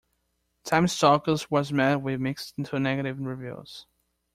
"Time Stalkers" was met with mixed to negative reviews.